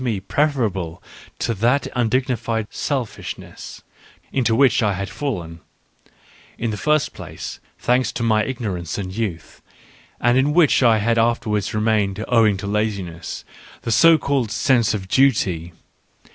me preferable to that undignified " selfishness " into which I had fallen ; in the first place, thanks to my ignorance and youth, and in which I had afterwards remained owing to laziness — the so called " sense of duty."